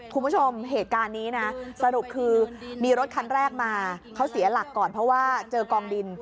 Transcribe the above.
คุณผู้ชมเหตุการณ์นี้นะสรุปคือมีรถคันแรกมาเขาเสียหลักก่อนเพราะว่าเจอกองดิน